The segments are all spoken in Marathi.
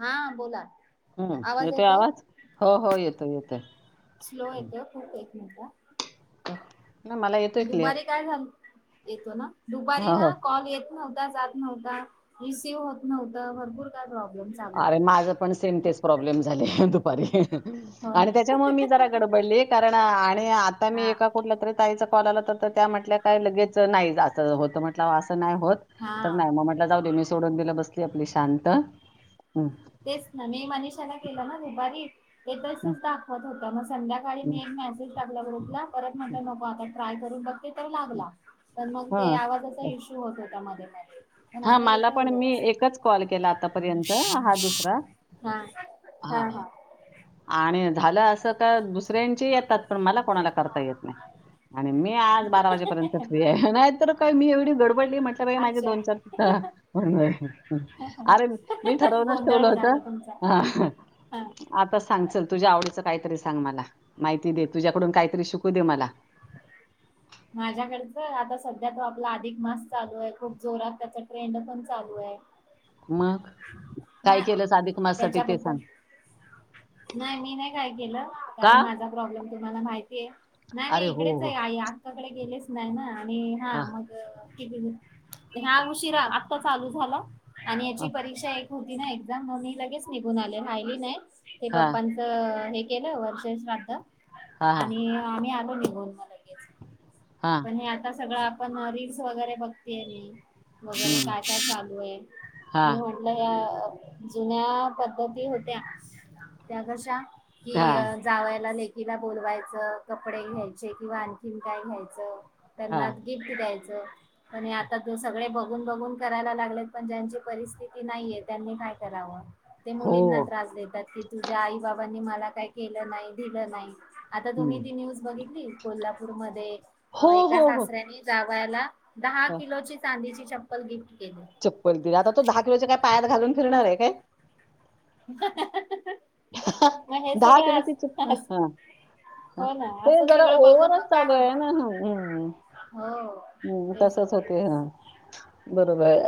हा बोला हम्म येते आवाज हो हो येतोय. येतोय, येतोय. स्लो येत खूप. हो का. ना मला येतोय क्लिअर. झालं येतो ना. दुपारी हो, हो. ना कॉल येत नव्हता. येत नव्हता. जात नव्हता. रिसीव्ह होत नव्हता. भरपूर काय प्रॉब्लेम. चालू अरे होते माझ पण सेम तेच प्रॉब्लेम झाले दुपारी हो आणि त्याच्यामूळ मी जरा गडबडले कारण [unintelligible] आणि आता मी हा एका कुठला तरी ताई कॉल आला तर त्या म्हटल्या काय लगेच नाही जात होत म्हंट नाहीहोत तर हा नाही म म्हटलं जाऊदे सोडून दिल्यावर बसली आपली शांत. [inaudible] तेच ना मी मनिषाला केलो ना दुपारी. हं, तसंच दाखवत होत मग संध्याकाळी हं. मी एक मेसेज टाकला ग्रुपला परत म्हटलं नको आता ट्राय करून बघते. लागला तर मग ते हां. आवाजाचा इशू होत होता. नाही. हा मला पण मी एकच कॉल केला आतापर्यंत हा दुसरा हा हा. आणि झालं असं का दुसऱ्यांची येतात तर पण मला कोणाला करता येत नाही आणि मी आज बारा वाजेपर्यंत फ्री आहे नाही तर काय मी एवढी गड मी म्हटलं बाई माझ अच्छा दोन चार अरे मी ठरवूनच गोंधळ ठेवलं होत. उडाला तुमचा हा सांग चल तुझ्या आवडीच काहीतरी सांग मला माहिती दे तुझ्याकडून काहीतरी शिकू दे मला. माझ्याकडच आता सध्या तो आपला अधिक मास चालू आहे खूप जोरात त्याचा ट्रेंड पण चालू आहे. मग काय केलंस अधिक माससाठी ते सांग. त्याच्याबद्दल नाही मी नाही काय केलं का? कारण माझा प्रॉब्लेम तुम्हाला माहिती आहे. नाही नाही अरे हो, इकडेच हो. आहे या तिकडे गेलेच नाही ना. आणि हा हां, मग हा उशिरा आत्ता चालू झाला आणि याची हां, परीक्षा एक होती ना एक्झाम म मी लगेच निघून आले राहिली नाही. हे हां, पप्पांच हे केलं वर्ष श्राद्ध. हां, आणि आम्ही आता आलो निघून लगेच हां, पण हे आता सगळं हां रील्स वगैरे बघतेय मी. वगैरे हं, काय काय चालू आहे हां, मी म्हटलं या जुन्या पद्धती होत्या त्या कशा कि हां, जावायला जेवायला बोलवायचं कपडे घ्यायचे किंवा आणखीन काय घ्याय च हां, त्यांना गिफ्ट द्यायचं आणि आता ते सगळे बघून बघून करायला लागलेत पण ज्यांची परिस्थिती नाहीये त्यांनी काय करावं. ते हो, मुलींना त्रास देतात की तुझ्या आई बाबा नी मला काही केलं नाही, दिलं नाही. आता हं. तुम्ही ती न्यूज बघितली कोल्हा पूरमध्ये हो, अ एका हो, हो. सासऱ्यानी जाव जायाला दहा हां, किलोची चांदीची चप्पल दि चप्पल दिले आता तो दहा किलोच्या काय पायात घालून फिरणार आहे काय? [unintelligible] मग हे दहा सगळं अस किलोची चक्क अस- ह हो ना ते असं जरा सगळं बघून ओवर्हच मग काय चालू आहे ना होतं हो हम्म तेच तसच होते हं बरो बर.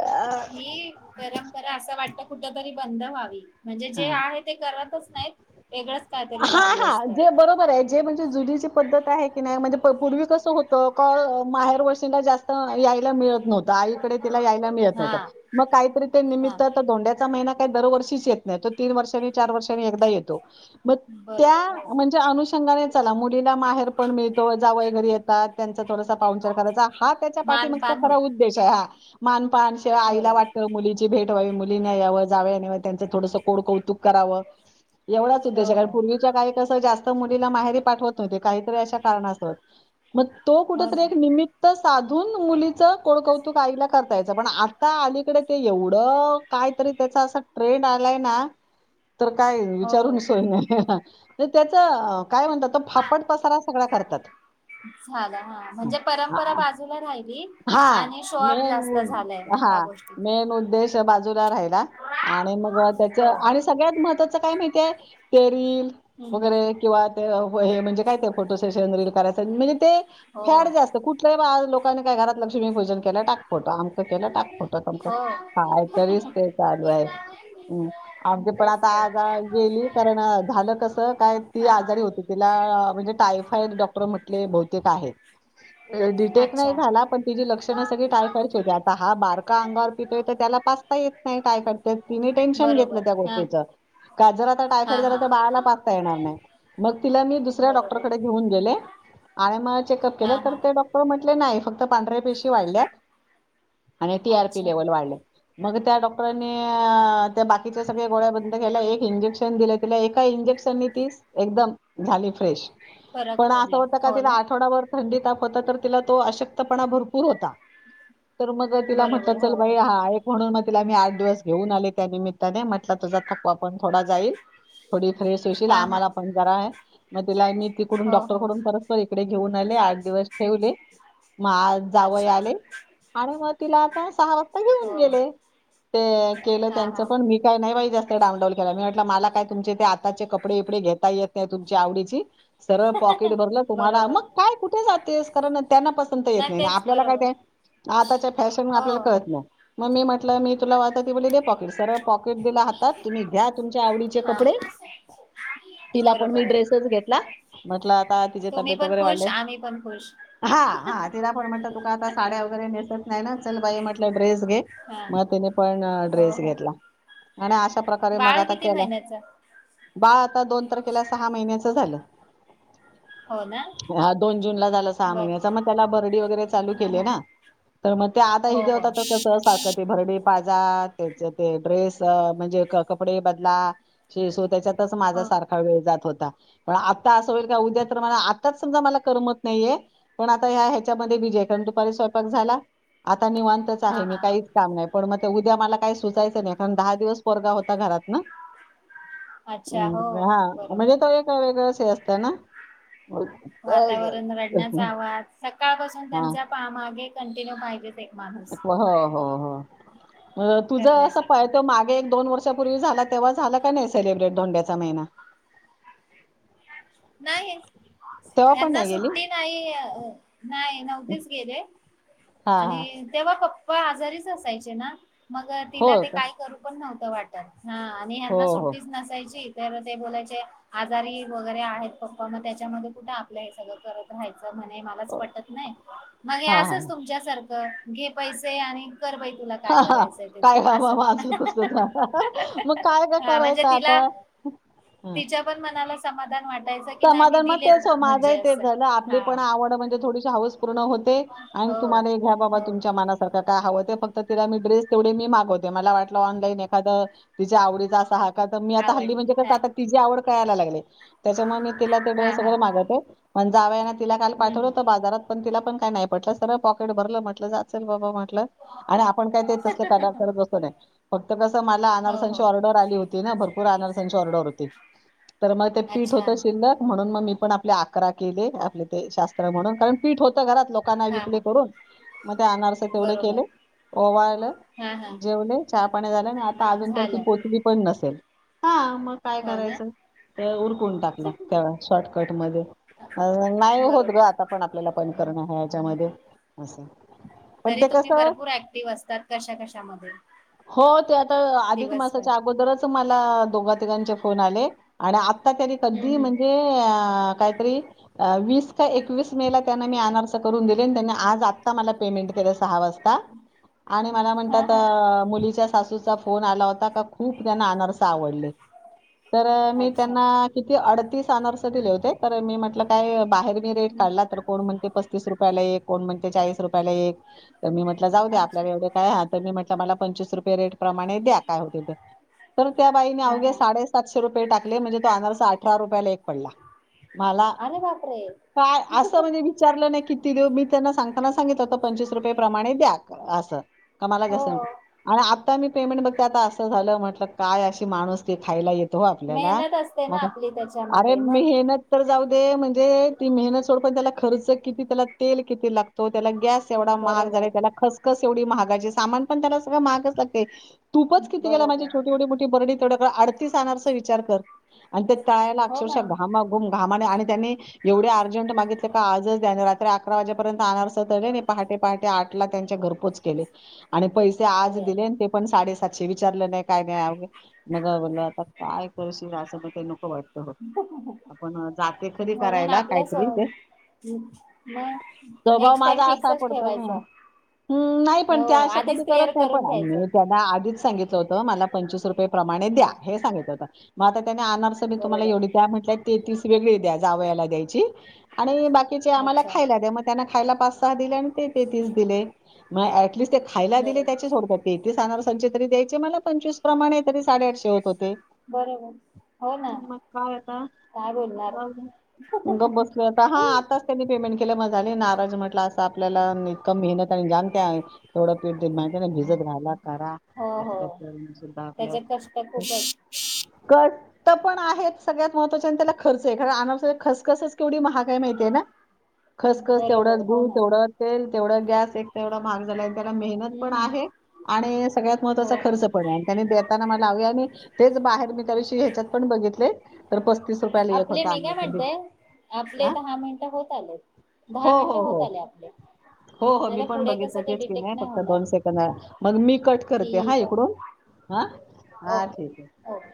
हि परंपरा असं वाटत कुठ तरी बंद व्हावी. म्हणजे जे हा, आहे ते करतच नाहीत वेगळंच काहीतरी हा चालू हा असतं जे बरोबर आहे जे म्हणजे जुनीची पद्धत आहे की नाही म्हणजे पूर्वी कसं होत का माहेर वर्षीला जास्त यायला मिळत नव्हतं. आईकडे तिला यायला मिळत हा नव्हतं मग काहीतरी ते हा निमित्त धोंड्याचा महिना काय दरवर्षी ये तो तीन वर्षानी चार वर्षां नी एकदा येतो मग त्या बरोबर हो म्हणजे अनुषंगाने चला मुलीला माहेर पण मिळतो जावई घरी का त्यां च थोडसा पांहुनचार करायचा हा त्याच्या पाठीमागचा मानपान होत खरा उद्देश आहे हा. मान पान शिवाय आईला बरोबर वाटत मुलीची भेट होय मुलीन यावं जावन त्यांंच थोड कोड कौतुक करावं. एवढाच उद्देश हो कारण हो पूर्वीच्या काळी कस जास्त मुलीला माहेरी पाठवत नव्हते काहीतरी अशा कारणासह मग तो कुठ हो तरी ना एक निमित्तचं साधून मुलीच कोडकौतुक आईला करता यायचं पण आता अलीकडे ते एवढं काय तरी त्याचा अस ट्रेंड आ लय नाय तर काय हो विचारून सोय नाही त्याच काय म्हणतात तो फापट पसारा सगळां करतात झालं हा हं. म्हणजे आ- परंपरा बाजूला राहिली हां. आणि शाब मेन जास्त उद झालाय या हां. गोष्टीचा मेन उद्देश बाजूला राहिला आणि त्याच हो आणि सगळ्यांत महत्वाचं काय माहिती ते ते हम्म वगैरे किंवा होय हे म्हणजे काय ते फोटो सेशन रील करायचं ते हो फॅड जास्त कुठल्याही बा कोन काय घरात लक्ष्मी पूजन केला टाक फोटो केलं टाक फोटो पण हो हाय तरीच ते चालू आहे आमची पण तेच आता तर आज गेली कारण झालं कस काय ती हा आजारी होती तिला म्हणजे टायम हायत डाॅक्ट [unintelligible] म्हटले बहुतेक आहे डिटेक नाही अच्छा झाला पण तिची लक्षणं सगळी टायफायड ची होती आता हा बारका अंगावर पितोय तर त्याला काय टेंशन बरोबर घेतलं त्या हा गोष्टीचं का जर आता टायफॉईड हा झाला हा तर बाळाला पाचता येणार नाही मग तिला मी दुसऱ्या बरोबर डॉक्टरकडे घेऊन गेले आणि मग चेकअप केले हा तर हा ते डॉक्टर म्हण नाही फक्त पांढऱ्या पेशी वाढल्यात आणि टी आर पी अच्छा लेवल वाढल्या मग त्या डॉक्टरांनी त्या बाकीच्या सगळ्या गोळ्या बंद केल्या एक इंजेक्शन दिलं तिला एका इंजेक्शन ती एकदम झाली फ्रेश फरक पण असं पडला होत का हो तिला ना आठवडाभर थंडीत हो तर तिला तो अशक्तपणा भरपूर होता तर मग तिला बरोबर म्हटलं हो चल बाई हो हा एक म्हणून मी आठ दिवस घेऊन आले त्या निमित त्याने म्हटलं तुझा थकवा पण थोडा जाईल थोडी फ्रेश होशील हा हा आम्हाला पण जरा अ म तीला मी तिकडून हो हो डॉक्टरकडून परस्पर इकडे घेऊन आले आ दिवस ठेवले मग आज जावई अच्छा आले आणि मग तिला आता सहा आ घेऊन हो गेले ते केलं हा त्यां हा पण मी का नाही बाज जास्त डाउनलोड केला मला काय तुमचे ते आताचे कपडे बिपडे घेता येत नाही तुमच्या आवडीची सरळ पॉकेट भरलं तुम्हाला बरोबर मग काय कुठे जात तेच कारण त्यांना पसंत येत नाही तेच आपल्याला काय बरोबर ते आताच्या फॅशन म हो आपल्याला कळत नाही मग मी म्हटलं मी तुला वाता ती दे पॉकेटस पॉकेट [unintelligible] पॉकेट दिला हातात तुम्ही घ्या तुमच्या आवडीचे हा कपडे तिला पण मी बरोबर आहे ड्रेस च घेतला म्हणलं आता तीजी तुम्ही तब्येत पण वगैरे खुश वाढलिये आम्ही पण खुश हा हा तिला पण म्हटलं दुकानातल्या साड्या वगैरे नाही ना चल बाई म्हटलं ड्रेस हा [unintelligible] मग त्यांनी पण हो ड्रेस हो घेतला. आणि अशा प्रकारे मग बाळ आता किती केला. महिन्याच बाळ आता दोन तारखेला सहा महिन्याच झालं. हो ना हा दोन जून ला झालं सहा बर महिन्याचा मग त्याला भरडी वगैरे चालू हा केले हा ना तर मग ते आता हो हित हो होता तर कस सारखं ते भरडी पाजा तेच कसं म्हणजे कपडे बदला शे स्वतःच्यात चं माझ्या हो सारख वेळ जात होत ता. पण आता अस होईल का उद्या तर आता समजा मला करमत नाहीये पण आता ह्याच्यामध्ये बिझी कारण दुपारी स्वयंपाक झाला. आता निवांतच हा आहे मी हा काहीच काम नाही. पण मग ते उद्या मला काय सुचायचं कारण दहा दिवस पोरगा होता घरात ना. अच्छा हो हम्म हा म्हणजे बरोबर तो एक वेगळंच असत ना. वातावरण रडण्याचा आवाज सकाळपासून हां, त्यांच्या मागे कंटिन्यू पाहिजे एक माणूस हो हो हो तुझ असं करण्यासाठी पात मागे एक दोन वर्ष पूर्वी झाला तेव्हा झाल का नाही सेलब्रेट धोंड्याचा महिना? नाही. तेव्हा पण यांना नाही गेली? सुट्टी नाही नाही नव्हतीच गेले हां, हां. आणि तेव्हा प प्पा आजारीच असायचे ना. मग हो तिला ते का? काही करू पण नव्ह त वाटतं. हा आणि हो, ह्यांना हो. सुट्टीच नसायची. तर ते बोलायचे आजारी वगैरे आहेत पप्पा मग त्याच्यामध्ये कुठे आपलं हे सगळं करत राहायचं. मलाच अ, पटत नाही, मग हां, असच हां. तुमच्यासारख. घे पैसे आणि. कर बाई तुला काय हा, हा, करायचंय ते काय काम असं माझ बसून, मग काय का हा म्हणजे करायचं तिला आता ह. तिच्या पण मनाला समाधान वाटत. समाधान मग ते स माझ तेच झालं, आपली हा पण आवड म्हणजे थोडीशी हवस पूर्ण होते. ते आणि हो तुम्हाला हे घ्या बाबा हो तुमच्या मनासारख. तिला काय हवं ते फक्त तिला मी ड्रेस तेवढं मी मागवते, मला वाटल ऑनलाइन एखाद तिच्या आवडीचा असा. मी आता आवड हल्ली म्हणजे कस हा आता तीची आवड. खायला लागलय. तर मी तिला हा ड्रेस हा वगैरे मागवते पण जावयान तिला काल हम्म हम्म पाठवलत बाजात. पण तिला पण काय नाही पटलं सर पॉकेट भरलं म्हटलं जा चल बाबा. म्हणल आणि आपण काय ते तसल करत बसलो नाही. फक्त कसं. तर मला हो हो आनारसांची ऑर्डर आली होती ना, भरपूर आनारसांची ऑर्डर आली होती. तर मग ते. पीठ अच्छा होत शिल्लक म्हणून मग मी. आपल्या अकरा केले आपले ते शात्र म्हणून कारण पीठ होतं. घरात लोकांना हा विकले हा करून, मग ते आनारस तेवढे बरोबर केले ओवाळल हा हा जेवले. चहा पानी झालं नाही. आता अजून तर झालं ती पोचली पण नसेल. हा. मग काय हो ना करायच, व्हय. टाकला त्यानं शॉकट मध्ये नाही होत ग, बरोबर आता पण आपल्याला. करंन पण तरी ते कस तुम्ही हाय, भरपूर ऍक्टिव्ह असतात कशा कशामध्ये हो ते आता अधिक दिवसभर मासाच्या अगोदरच. तुम्हाला दोघा-तिघांचे फोन आले. आता तरी हम्म कधी म्हणजे हम्म अ. काहीतरी वीस का एकवीस मे ला त्यांना मी अनारसे करून दिले त्यांनी आज आता मला पेमेंट केल सहा वाजता. आणि मला हा म्हणतात हा मुलीच्या. सासूचा फोन आला होता, का खूप त्यांना आनरस आवडले. तर मी त्या. अच्छा ना किती अडतीस. आनारसे दिले होते तर मी म्हटलं काय बाहेर मी रेट हम्म काढला तर कोण म्हणते पस्तीस रुपयाला एक कोण म्हणते चाळीस रुपयाला एक, तर मी म्हटलं जाऊ दे अच्छा आपल्याला यवढे काय आहे तर मी म्हटलं मला पंचवीस रुपये रेट प्रमाणे द्या काय होते ते तर त्या बाईने हा अवघे हा साडे सातशे रुपये टाक म्हणजे तो आनारसा अठरा रुपयाला एक पडला. मला अरे बापरे काय असं म्हणजे विचारलं नाही कि ती देऊ मी त्यांना सांगताना सांगित होत, पंचवीस रुपये प्रमाणे द्या. असं. कमाला घस हो आणि आ ता मी पेमेंट बघते आता असं झालं म्हटलं काय अशी माणूसकी खायला येतो. आपल्याला मेहनत असते ना मग, आपली अरे त्याच्यामध्ये मग. मेहनत तर जाऊ दे म्हणजे ती मेहत सोड त्या खर्च किती त्याला तेल किती लागतो त्याला गॅस एवढा महाग झाला बरोबर त्याला खसखस तेवढी महागाचे सामान पण त्याला सगळं महागच लागते. तूपच किती गेल, माझी बरोबर छोट-ओटी मोठी बर्डी तेवड्यात आडतीस अनारसे विचार कर. आणि ते तळायला हो अक्षरशः ना घामा घुम घा म आणि त्यांनी एवढ्या अर्जंट मागितले का आज त्या रात्री अकरा वाजपर्यंत अनारसे पहाटे पहाटे आठ ला त्यांच्या घरपोच केले. आणि पैसे आज अरे दिले अरे ते पण साडे साक्षी विचारलं नाही काय नाहीे मग ब आता काय असं ते नको वाट तं आपण जाते कधी म्हणून करायला आपल्या स काहीतरी ते मग स्वभाव नेक्स्ट टाइम माझा असा फिक्सच पडतो ना ठेवायचा हम नाही पण हो त्या अशा कधी आधीच क्लिअर करत नाही पण करून घ्यायचं मी त्यांना आधीच सांगितलं होत मला पंचवीस रुपये प्रमाणे द्या, हम्म हे सांगित होत. म आता त्यांनी आनारसे बी तुम्हाला बरोबर एवढे त्या म्हटल्या तेतीस वेगळे द्या जावयाला द्यायची. आणि बा कीचे आम्हाला अच्छा खायला द्या मग त्यांना खायला पाचसहा दिले आणि ते तेतीस दिले. म दिलीस ते खायला दिले बरोबर त्याचे सोडतात ते. सनलासचे तरी द्यायचे मला पंचवीस प्रमाणे तरी साडेआठशे होत होते बरोबर हो ना मग काय आता काय बोलणार जाऊदे गब बसले आता हा हो आताच त्यांनी पेमेंट केलं मजाली नाराज म्हटलं अस आपल्याला म मेहनत आणि जाणत थोडं पीठ माहिती ना भिजत रााला हो हो त्याचे कष्ट खूपच कर्ष्ट पण आहेत सगळ्यात महत्त्वाचे आणि त्याला खर्च आहे कारण अन खसखसच केवढी महागय माहिती आहे ना खसखस बरोबर तेवढाच हो गूळ ना तेवढं तेल तेवढा गॅस एकतर एवढा महाग झाला त्याला मेहनत पण हम्म आहे आणि सगळ्यात महत्त्वाचा हो खर्च हो पण आहे आणि त्यानी देताना म लाव आणि तेच बाहेर मी त्यदिवशी ह्याच्यात पण बघितलं तर पस्तीस रुपयाला एक आपले होता मी काय आंब्या म्हणतेय आपले आं दहा मिनिटं होत आलेत. हो दहा हो मिनिटं होत हो आले आपले. हो हो नाही मी तर पण पुढे कसं बघितलं ते तेच की नाही डिटेक्ट फक्त होणार. दोन सेकंद मग मी कट करते हा ठीक आहे. इकडून आं हा ओके ठीक आहे ओके.